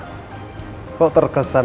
kedengaran agak lucu ya